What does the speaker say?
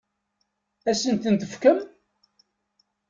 Ad asen-ten-tefkem?